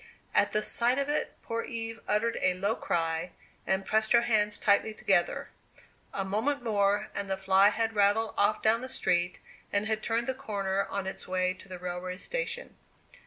At the sight of it poor Eve uttered a low cry, and pressed her hands tightly together. A moment more, and the fly had rattled off down the street, and had turned the corner on its way to the railway station.